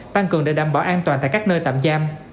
tăng cường để đảm bảo an toàn tại các nơi tạm giam